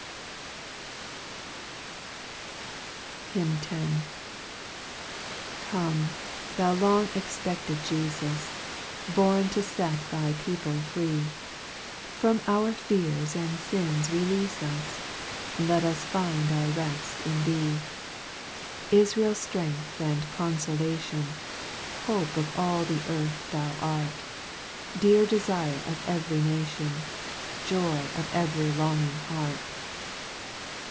HYMN X. 1 ^4 0ME, thou long expe<5led Jefus, \J Born to fet thy people free, From our fears and fins releafe us, Let us find our reft in Thee ; Ifrael's Strength and Confolation, Hope of all the earth thou art, Dear Defire of every nation, Joy of every longing heart.